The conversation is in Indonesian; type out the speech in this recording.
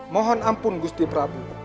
mohon ampun gusti prabu